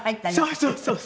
そうそうそうそう！